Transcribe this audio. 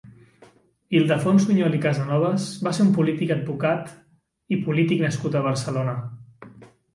Ildefons Sunyol i Casanovas va ser un polític advocat i polític nascut a Barcelona.